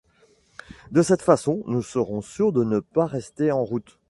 De cette façon, nous serons sûrs de ne pas rester en route.